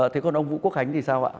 thế còn ông vũ quốc khánh thì sao ạ